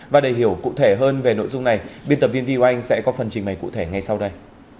và để hiểu cụ thể hơn về nội dung này biên tập viên vi oanh sẽ có phần trình bày cụ thể ngay sau đây